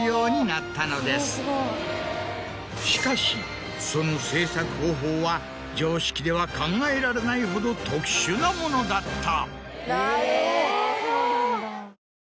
しかしその制作方法は常識では考えられないほど特殊なものだった。